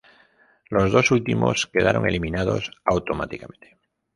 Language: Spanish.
Los dos últimos quedaron eliminados automáticamente.